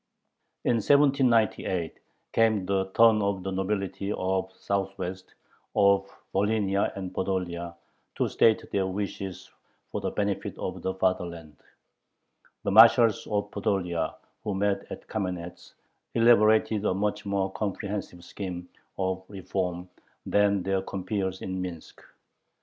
In 1798 came the turn of the nobility of the Southwest, of Volhynia and Podolia, to state their wishes for the benefit of the fatherland. The marshals of Podolia, who met at Kamenetz, elaborated a much more comprehensive scheme of reform than their compeers in Minsk.